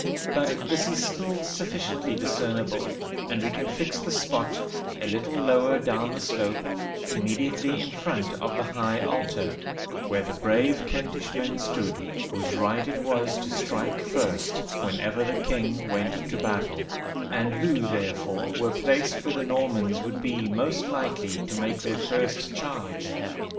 But this is still sufficiently discernible; and we can fix the spot, a little lower down the slope, immediately in front of the high altar, where the brave Kentish men stood, "whose right it was to strike first when ever the king went to battle," and who, therefore, were placed where the Normans would be most likely to make their first charge.